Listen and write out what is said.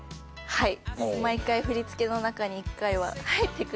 はい。